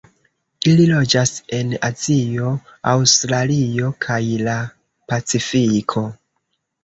Ili loĝas en Azio, Aŭstralio kaj la Pacifiko.